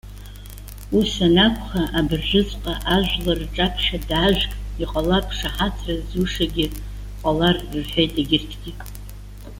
Ус анакәха, абыржәыҵәҟьа ажәлар рҿаԥхьа даажәг, иҟалап шаҳаҭра зуышагьы ҟалар,- рҳәеит егьырҭгьы.